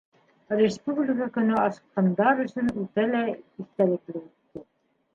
Республика көнө асҡындар өсөн үтә лә иҫтәлекле үтте.